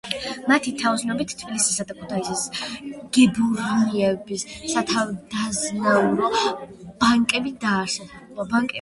მათი თაოსნობით თბილისისა და ქუთაისის გუბერნიების სათავადაზნაურო ბანკები დაარსდა.